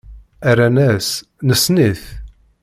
Rran-as: Nessen-it.